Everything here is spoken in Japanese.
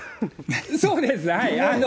そうです。